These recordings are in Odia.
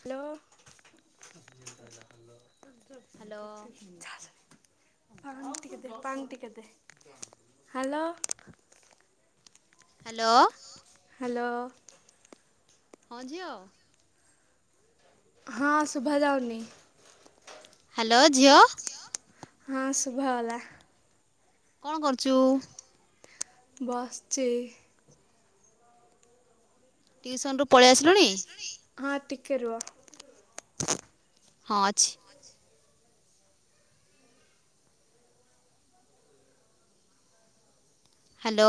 ହାଲୋ। ହ୍ୟାଲୋ ଆଉ ଟିକେ ଦେ ପାଣି ଟିକେ ଦେ ହାଲୋ। ହାଲୋ। ହାଲୋ। ହଁ ଝିଅ। ହଁ ଶୁଭା ଯାଉନି। ହାଲୋ ଝିଅ। ହଁ ଶୁଭ ଗଲା। କଣ କରୁଚୁ? ବସଚି। ଟିଉସନ୍ ରୁ ପଳେଇ ଆସିଲୁଣି? ହଁ ଟିକେ ରୁହ। ହଁ ଅଛି। ହାଲୋ।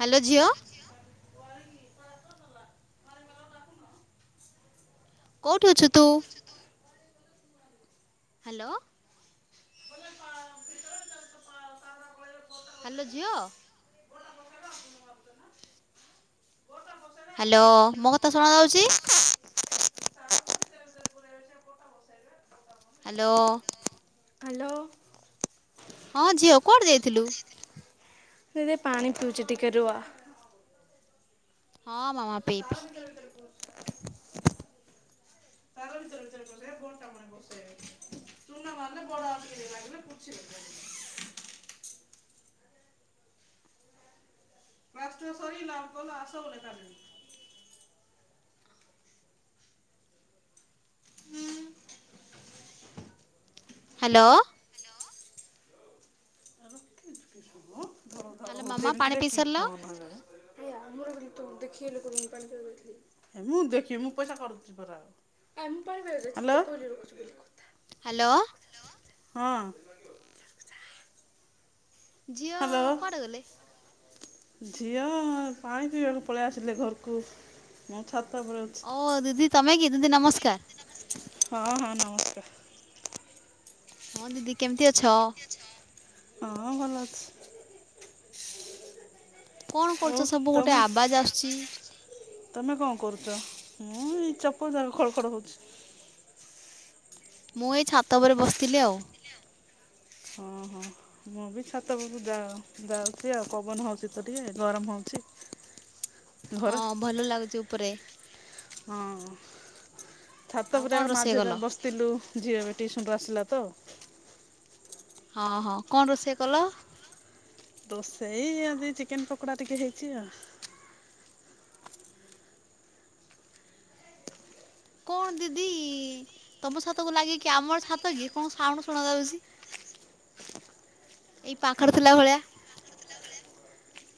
ହାଲୋ ଝିଅ। କଉଠି ଅଛୁ ତୁ? ହାଲୋ। ହାଲୋ ଝିଅ। ହାଲୋ ମୋ କଥା ଶୁଣାଯାଉଚି? ହାଲୋ। ହାଲୋ। ହଁ ଝିଅ କୁଆଡ଼େ ଯାଇଥିଲୁ? ସେ ଯେ ପାଣି ପଉଚି ଟିିକେ ରୁଅ। ହଁ ମାମା ପିଇ ପି। [unintelligible] ହେ ବଡଟା ମାନେ ବସେ। ଚୁନା ମାରିଲେ ବଡ଼ ଆଉ ଟିକେ ଲାଗିଲେ ପୁଛି [inaudible] ପ୍ଲାଷ୍ଟର ସରିଲା କଲ ଆସ ବୋଲେ ତାଙ୍କେ। ହାଲୋ। ହ୍ୟାଲୋ ଓହୁତେ ମାମା ପାଣି ଏମିତିରେ ପିଇ କି ସାରିଲ ଫୋନ୍ ହେଲା ବା? ହେ ମୁଁ ଦେଖି ମୁଁ ପଇସା କାଡ଼ୁଚି ପରା ହାଲୋ। ହାଲୋ। ହଁ। ଝିଅ। ହାଲୋ। କୁଆଡ଼େ ଗଲେ? ଝିଅ ପାଣି ପିଇବାକୁ ପଳିଆସିଲେ ଘରକୁ ମୁଁ ଛାତ ଓପରେ ଅଛ୍ ଓ ଦିଦି ତମେ କି ଦିଦି ନମସ୍କାର। ହଁ ହଁ ନମସ୍କାର। ହଁ ଦିଦି କେମତି ଅଛ? ହଁ ଭଲ ଅଛି। କଣ ଆଉ କରୁଚ ସବୁ ଗୋଟେ ତମେ ଆବାଜ ଆସୁଚି? ତମେ କଁ କରୁଚ? ମୁଁ ଏଇ ଚପ ଯାକ ଖଡ ଖଡ ହଉଚି। ମୁଁ ଏଇ ଛାତ ଓପରେ ବସତିଲି ଆଉ। ହଁ ହଁ। ମୁଁ ବି ଛାତ ଓପରକୁ ଯା ଯାଉଚି ଆଉ ପବନ ହେଉଚି ତ ଟିକେ ଗରମ ହଉଚି। ହଁ ଭଲ ଲାଗୁଚି ଉପରେ। ହଁ ଛାତ ଆଉ ଓପରେ କଣ ଆକା ମା ରୋଷେଇ ଝିଅ କଲ? ଯାକ ବସ୍ ତିଲୁ ଝିଅ ଏବେ ଟିସନରୁ ଆସିଲା ତ। ହଁ ହଁ କଣ ରୋଷେଇ କଲ? ରୋଷେଇ ଆଜି ଚିକେନ ପକୋଡା ଟିକେ ହେଇଚି ଆ। କଣ ଦିଦି ତମ ଛାତକୁ ଲାଗିକି ଆମର ଛାତ କି କଣ ସାଉଣ୍ଡୁ ଶୁଣାଯାଉଚି। ଏଇ ପାଖରେ ଥିଲା ଭଳିଆ।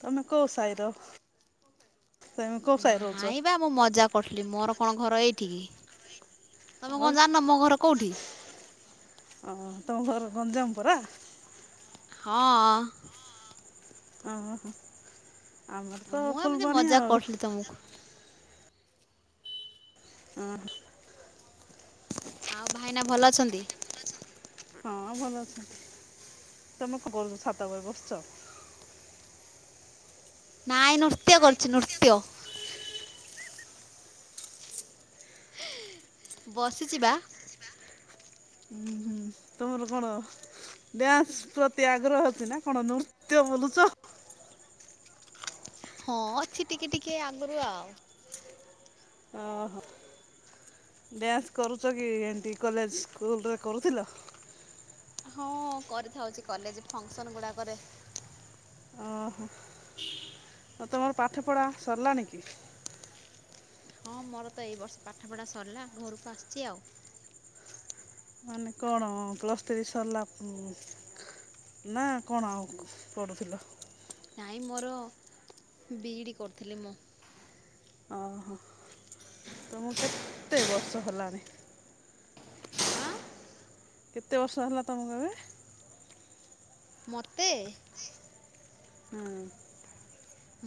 ତମେ କୋଉ ସାଇର? ନାଇଁ ବା ମୁଁ ମଜା କରୁଥିଲି ମୋର କଣ ଘର ଏଇଠି କି। ତମେ ଆଉ କଣ ଜାନିନ ମୋ ଘର କୋଉଠି? ଓ ତମ ଘର ଗଞ୍ଜାମ ପରା। ହଁଅ। ଅହ ଆମର ତ ଫୁଲବାଣୀ ଆଉ। ତମୁଖୁ ଉଁ ହୁଁ। ଆଉ ଭାଇନା ଭଲ ଅଛନ୍ତି? ହଁ ଭଲ ଅଛନ୍ତି। ତମେ କଣ କରୁଚ? ଛାତ ଉପରେ ବସିଚ। ନାଇ ନୃତ୍ୟ କରୁଛି ନୃତ୍ୟ। ବସିଚି ବା। ଉଁ ହୁଁ। ତୁମର କଣ ଡ୍ୟାନ୍ସ ପ୍ରତି ଆଗ୍ରହ ଅଛି ନା କଣ ନୃତ୍ୟ ବୋଲୁଛ? ହଁ ଅଛି ଟିକେ ଟିକେ ଆଗରୁ ଆଉ। ଓହୋ। ଡ୍ୟାନ୍ସ କରୁଛ କି ଏନ୍ତି କଲେଜ ସ୍କୁଲରେ କରୁଥିଲ। ହଁ କରିଥାଉଛି କଲେଜେ ଫଙ୍କସନ୍ ଗୁଡାକରେ। ଓହୋ। [inaudible] ଆଉ ତମର ପାଠପଢ଼ା ସରିଲାଣି କି? ହଁ ମୋର ତ ଏଇ ବର୍ଷ ପାଠପଢ଼ା ସରିଲା। ଘରକୁ ଆସିଚି ଆଉ। ମାନେ କଣ ପ୍ଲସ୍ ଥ୍ରୀ ସରିଲା? ନା କଣ ଆଉ ପଢୁଥିଲ? ନାହିଁ ମୋର ବି ଇ ଡ଼ି କରିୁଥିଲି ମୁଁ। ଓହୋ। ତମକୁ କେତେ ବର୍ଷ ହେଲାଣି? ଆଁ। କେତେ ବର୍ଷ ହେଲା ତମକୁ ଏବେ? ମତେ ହୁଁ।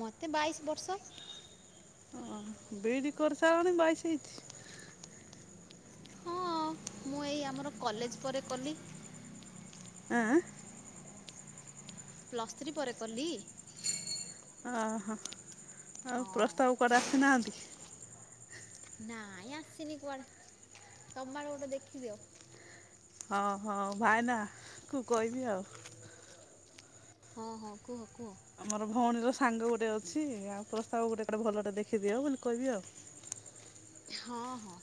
ମତେ ବାଇଶି ବର୍ଷ। ବି ଇ ଡି କରିସାରିଲଣି ବାଇଶ ହେଇଛି। ହଁ, ମୁଁ ଏଇ ଆମର କଲେଜ ପରେ କଲି। ଆଁ। ପ୍ଲସ୍ ଥ୍ରୀ ପରେ କଲି। ଓହୋ। ଆଉ ହଁ ପ୍ରସ୍ତାବ କୁଆଡେ ଆସିନାହାନ୍ତି? ନାଇଁ ଆସିନି କୁଆଡେ? ତମ ଆଡେ ଗୋଟେ ଦେଖିଦିଅ। ହଉ ହଉ ଭାଇନା କୁ କହିବି ଆଉ। ହଁ ହଁ କୁହ କୁହ। ଆମର ଭଉଣୀର ସାଙ୍ଗ ଗୋଟେ ଅଛି। ଆଉ ପ୍ରସ୍ତାବ ଗୋଟେ କୁଆଡେ ଭଲଟେ ଦେଖିଦିଅ ବୋଲି କହିବି ଆଉ। ହଁ ହଁ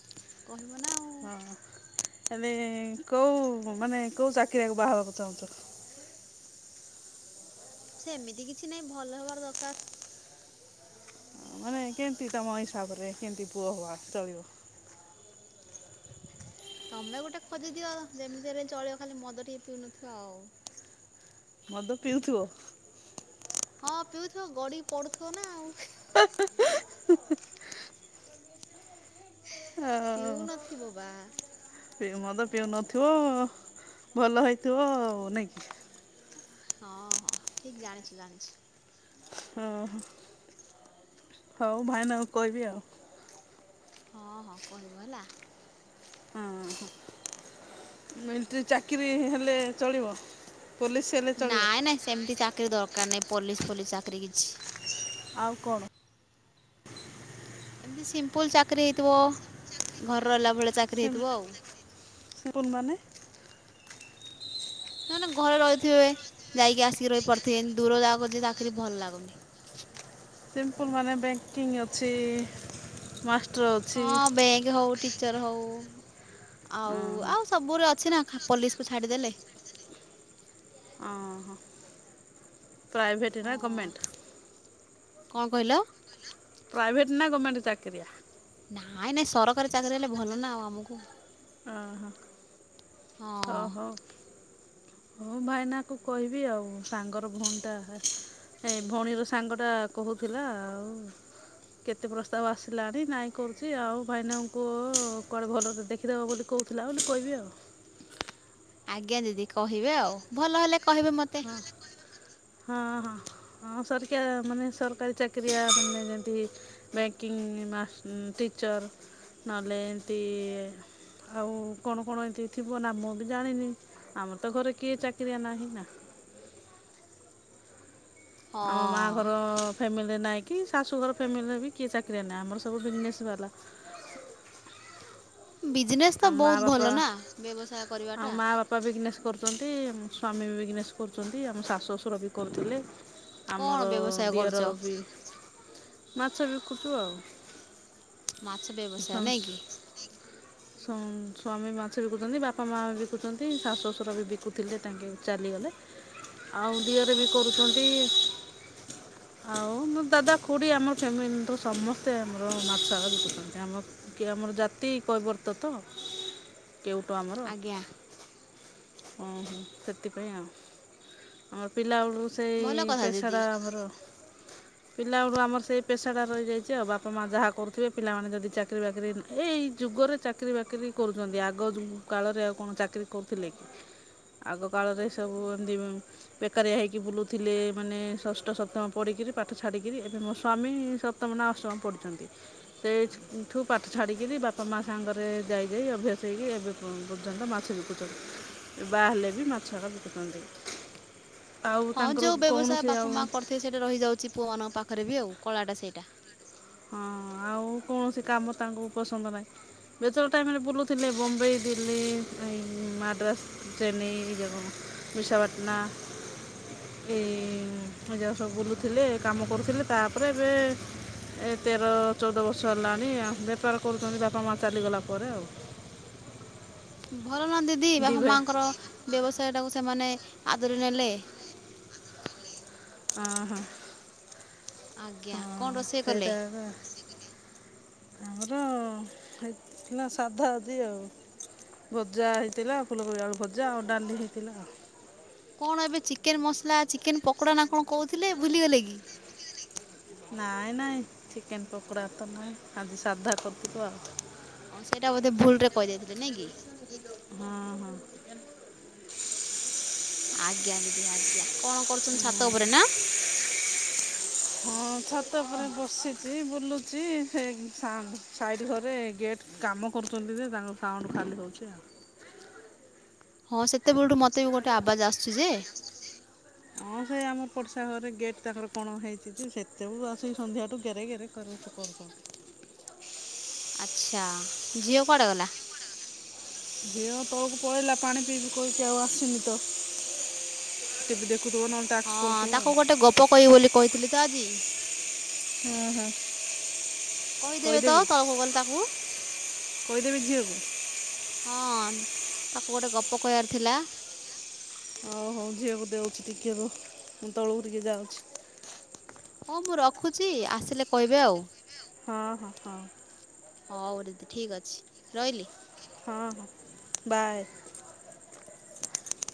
କହିବ ନା ଆଉ। ହଁ ହେଲେ କୋଉ ମାନେ କୋଉ ଚାକିରିଆକୁ ବାହାହେବାକୁ ଚାହୁଁଛ। ସେମିତି କିଛି ନାଇଁ। ଭଲ ହବାର ଦରକାର। ମାନେ କେନ୍ତି ତମ ହିସାବରେ କେମିତି ପୁଅ ହେବା ଚଳିବ। ତମେ ଗୋଟେ ଖୋଜିଦିଅ। ଯେମିତି ହେଲେ ଚଳିବ ଖାଲି ମଦ ଟିକେ ପିଉନଥିବ ଆଉ। ମଦ ପିଉଥିବ। ହଁ ପିଉଥିବ। ଗଡିକି ପଡୁଥିବ ନା ଆଉ। [unintelligible] ଓ। ପିଉନଥିବ ବା ସେ ମଦ ପିଉ ନଥିବ। ଭଲ ହେଇଥିବ ଆଉ ନାଇଁ କି? ହଁ ହଁ ଠିକ୍ ଜାଣିଛ, ଜାଣିଛି। ହଁ। ହଉ ଭାଇନାକୁ କହିବି ଆଉ। ହଁ, ହଁ କହିବ ହେଲା। ହଁ, ହଁ। ମୁଁ ଏମିତିରେ ଚାକିରି ହେଲେ ଚଳିବ, ପୋଲିସ୍ ନାଇଁ ନାଇଁ ସେମିତି ଚାକିରୀ ଦରକାର ନାହିଁ ପୋଲିସ ଫୋଲିସ ଚାକିରି କିଛି। ଆଉ କଣ? ଏମିତି ସିମ୍ପଲୁ ଚାକିରି ହେଇଥିବ, ଘର ରହିଲା ଭଳିଆ ଚା ସେମାନଙ୍କୁ ଦେଖୀ ଯାଇଥିଲି, କଉମାନେ? ମାନେ ଘରେ ରହିଥିବେ ଯାଇକି ଆସିକି ରହିପାରୁଥିବେ, ଏମିତି ଦୂର ଯାଗାକୁ ଯେ ଚାକିରି ଭଲ ଲାଗୁନି। ସିମ୍ପଲ୍ ମାନେ ବ୍ୟାଙ୍କିଙ୍ଗ ଅଛି, ମାଷ୍ଟ ହଁ, ବ୍ୟାଙ୍କ ହଉ ଟିଚର ହଉ, ହଁ ଆଉ ହଁ ଆଉ ସବୁରେ ଅଛି ନା ପୋଲିସକୁ ଛାଡ଼ିଦେଲେ ଓହୋ। ପ୍ରାଇଭେଟ୍ ନା ହଁ ଗଭର୍ମେଣ୍ଟ? କଣ କହିଲ? ପ୍ରାଇଭେଟ୍ ନା ଗର୍ମେଣ୍ଟ ଚାକିରିଆ? ନାଇଁ ନାଇଁ ସରକାରୀ ଚାକିରି ହେଲେ ଭଲ ନା ଆଉ ଆମକୁ। ଓହୋ ଓ ହଁ ହଉ। ହଁ ଭାଇନାକୁ କହିବି ଆଉ ସାଙ୍ଗର ଭଉଣୀଟା ଏଇ ଭଉଣୀର ସାଙ୍ଗ ଟା କହୁଥିଲା ଆଉ। କେତେ ପ୍ରସ୍ତାବ ଆସିଲାଣି ନାଇଁ କରୁଛି ଆଉ, ଭାଇନାଙ୍କୁ କୁହ କୁଆଡେ ଭଲରେ ଦେଖ ଦେବ ବୋଲି କହୁଥିଲା ବୋଲି କହିବି ଆଉ। ଆଜ୍ଞା ଦିଦି କହିବେ ଆଉ ଭଲ ହେଲେ କହିବେ ମତେ। ହଁ, ହଁ, ହଁ, ସରକାରୀ ମାନେ ସରକାରୀ ଚାକିରିଆ ମାନେ ଯେମିତି ବ୍ୟାଙ୍କିଙ୍ଗ ମାଷ୍ଟ ଟିଚର୍ ନହେଲେ ଏମିତି ଆଉ କଣ କଣ ଏମତି ଥିବ ନା ମୁଁ ବି ଜାଣିନି ଆମ ତ ଘରେ କିଏ ଚାକିରିଆ ନାହିଁ ନା। ଆମ ମା ହଁ ଘର ଫ୍ୟାମିଲିରେ ନାହିଁ କି ଶାଶୁଘର ଫ୍ୟାମିଲିରେ ବି କିଏ ଚାକିରିଆ ନାହିଁ ଆମର ସବୁ ବିଜନେସ୍ ବାଲା। ବିଜନେସ୍ ତ ଆମ ମାଆ ବହୁତ ବାପା ଭଲ ନା ବ୍ୟବସାୟ ଆମ କରିବାଟା। ମାଆ ବାପା ବିଜନେସ୍ କରୁଛନ୍ତି, ସ୍ୱାମୀ ବି ବିଜନେସ୍ କରୁଛନ୍ତି, ଆମ ଶାଶୁ ଶଶୁ ବି କରୁଥିଲେ। କ'ଣ ଆମର ବ୍ୟବସାୟ କରୁଛ ଦିଅର ବି ମାଛ ବିକୁଛୁ ଆଉ। ମାଛ ବ୍ୟବସାୟ ନାଇଁ କି? ସ୍ୱା--ସ୍ୱାମୀ ମାଛ ବିକୁଛନ୍ତି, ବାପା ମା ବିକୁଛନ୍ତି, ଶାଶୁ ଶଶୁର ବି ବିକୁଥିଲେ ତାଙ୍କେ ଚାଲିଗଲେ। ଆଉ ଦିଅର ବି କରୁଛନ୍ତି। [unintelligible] ଆଉ ମୋ ଦାଦା, ଖୁଡ଼ି ଆମ ଫ୍ୟାମିଲିର ସମସ୍ତେ ଆମର ମାଛ ବିକୁୁଛନ୍ତି ଆମ କି ଆମର ଜାତି କୈିବର୍ତ୍ତ ତ କେଉଟ ଆମର। ଆଜ୍ଞା ଓହୋ, ସେଥିପାଇଁ ଆଉ। ଆଉ ପିଲାବେଳୁ ସେଇ ଭଲ କଥା ଦିଦି ପେସାଟା ଆମର ପିଲାବେଳୁ ଆମର ସେଇ ପେସାଟା ରହିଯାଇଛି ଆଉ ବାପା ମାଆ ଯାହା କରୁଥିବେ ପିଲାମାନେ ଯଦି ଚାକିରି ବାକିରି ଏଇ ଯୁଗରେ ଚାକିରୀ ବାକିରି କରୁଛନ୍ତି। ଆଗ ଯୁ--କାଳରେ ଆଉ କଣ ଚାକିରୀ କରୁଥିଲେ କି? ଆଗ କାଳରେ ସବୁ ଏମିତି ଉନ୍ ବେକାରିଆ ହେଇକି ବୁଲୁଥିଲେ ମାନେ ଷଷ୍ଠ ସପ୍ତମ ପଢିକିରି ପାଠ ଛାଡିକିରି, ଏବେ ମୋ ସ୍ଵାମୀ ସ ସପ୍ଟମ ନା ଅଷ୍ଟମ ପଢିଛନ୍ତି। ସେଇଠୁ ପାଠ ଛାଡିକିରି ବାପା ମା ସାଙ୍ଗରେ ଯାଇ ଯାଇ ଅଭ୍ୟାସ ହେଇକି ଏବେ କଣ କରୁଛନ୍ତି ନା, ମାଛ ବିକୁଛନ୍ତି। ବାହାହେଲେ ବି ମାଛ ବିକୁଛନ୍ତି। ଆଉ ହଁ ତାଙ୍କର ଯେଉଁ ବ୍ୟବସାୟ କୌଣସି ବାପା ଆଉ ମାଆ କରିଥିବେ ସେଇଟା ରହିଯାଉଛି ପୁଅମାନଙ୍କ ପାଖରେ ବି ଆଉ କଳାଟା ସେଇଟା। ହଁ ଆଉ କୌଣସି କାମ ତାଙ୍କୁ ପସନ୍ଦ ନାହିଁ। ବେଚର ଟାଇମ୍ ରେ ବୁଲୁଥିଲେ ବମ୍ବେଇ, ଦିଲ୍ଲୀ, ଏ ମାଡ୍ରାସ୍। ଟ୍ରେନିଂ ଯିବାକୁ ବିଶାଖାପାଟନା ଏଇ ଜାଗା ସବୁ ବୁଲୁଥେଲେ କାମ କରୁଥେଲେ। ତାପରେ ଏବେ ଏ ତେର ଚଉଦ ବର୍ଷ ହେଲାଣି ବେପାର କରୁଛନ୍ତି ବାପା ମାଆ ଚାଲିଗଲା ପରେ ଆଉ। ଭଲ ନା ଦିଦି ଦି ବାପା ଭାଇ ମା ଙ୍କର ବ୍ୟବସାୟଟାକୁ ସେମାନେ ଆଦରି ନେଲେ। ହଁ ହଁ, ଆଜ୍ଞା କ'ଣ ହଁ ରୋଷେଇ କଲେ ସେଇଟା ତ ଆମର ହେଇଥିଲା ସାଧା ଆଜି ଆଉ। ଭଜା ହେଇଥିଲା ଫୁଲକୋବି ଆଳୁ ଭଜା, ଆଉ ଡାଲି ହେଇଥିଲା। କଣ ଏବେ ଚିକେନ ମସଲା ଚିକେନ ପକୋଡ଼ା ନା କଣ କହୁଥିଲେ ଭୁଲିଗଲେ କି? ନାଇଁ ନାଇଁ ଚିକେନ ପକୋଡ଼ା ତ ନାହିଁ, ଆଜି ସାଧା କରିଥିଲୁ ଆଉ। ହଁ ସେଇଟା ବୋଧେ ଭୁଲରେେ କହିଦେଇଥିଲେ, ନାଇଁ କି? ହଁ ହଁ। ଆଜ୍ଞା ଦିଦି ଆଜ୍ଞା, କଣ କରୁଛନ୍ତି ଛାତ ଉପରେ ନା? ହଁ ଛାତ ପରେ ବସିଛି, ବୁଲୁ ଛି, ସେ ସାଇଟ୍ ଘରେ ଗେଟ୍ କାମ କରୁଛନ୍ତି ଯେ ତାଙ୍କ ସାଉଣ୍ଡ ଖାଲି ହଉଛି ଆଉ। ହଁ ସେତେବେଳଠୁ ମତେ ବି ଗୋଟେ ଆବାଜ ଆସୁଛି ଯେ। ହଁ ସେ ଆମ ପଡ଼ିଶା ଘରେ ଗେଟ୍ ତାଙ୍କର କଣ ହେଇଛି ଯେ, ସେତେବେଳୁ ଆସି ସନ୍ଧ୍ୟାଠୁ ଗେରେ ଗେରେ [unintelligible] କଣ କରୁଛନ୍ତି। ଆଛା ଝିଅ କୁଆଡେ ଗଲା? ଝିଅ ତଳକୁ ପଳେଇଲା ପାଣି ପିଇବି କହିକି ଆଉ ଆସିନି ତ। ଟିଭି ଦେଖୁଥିବ ନା। ହଁ ତାକୁ ଗୋଟେ ଗପ କହିବି ବୋଲି କହିଥିଲି ତ ଆଜି। ଓହୋ। କହିଦେବେ ତ ତଳକୁ ଗଲେ ତାକୁ। କହିଦେବି ଝିଅ କୁ? ହଁ ତାକୁ ଗୋଟେ ଗପ କହିଆର ଥିଲା। ହଉ ହଉ ଝିଅକୁ ଦଉଛି ଟିକେ ରୁହ, ମୁଁ ତଳୁକୁ ଟିକେ ଯାଉଛି। ହଁ ମୁଁ ରଖୁଛି ଆସିଲେ କହିବେ ଆଉ। ହଁ ହଁ- ହଁ। ହଁ ହଉ ଦିଦି ଠିକ୍ ଅଛି ରହିଲି। ହଁ ବାଏ।